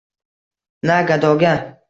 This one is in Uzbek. Na gadoga